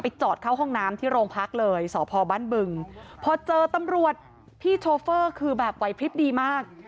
จอดเข้าห้องน้ำที่โรงพักเลยสพบ้านบึงพอเจอตำรวจพี่โชเฟอร์คือแบบไหวพลิบดีมาก